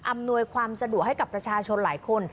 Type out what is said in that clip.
อำนวยความสะดวกให้กับประชาชนหลายคน